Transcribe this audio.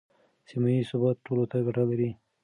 سیمه ییز ثبات ټولو ته ګټه لري.